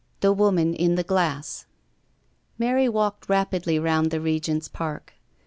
THE WOMAN IN THE GLASS. Mary walked rapidly round the Regent's Park.